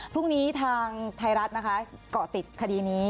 พรุ่งนี้ทางไทยรัฐนะคะเกาะติดคดีนี้